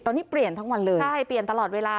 ตอนนี้เปลี่ยนทั้งวันเลยใช่เปลี่ยนตลอดเวลา